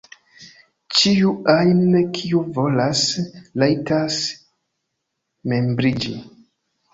Ĉiu ajn kiu volas, rajtas membriĝi.